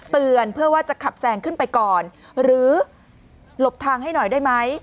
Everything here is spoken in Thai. เตือนเพื่อว่าจะขับแซงขึ้นไปก่อนหรือหลบทางให้หน่อยได้ไหม